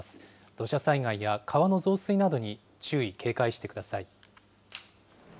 土砂災害や川の増水などに注意、警戒してください。